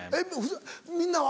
みんなは？